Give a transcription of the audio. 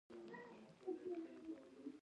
وزې پر خپل بچي ژر مینه کوي